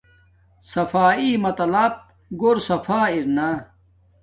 صفایݵ مطلب گھور صفا ارنا